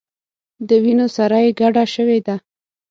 د وینو سره یې ګډه شوې ده.